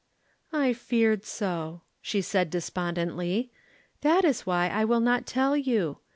"I feared so," she said despondently. "That is why I will not tell you.